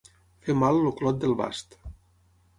Fer mal el clot del bast.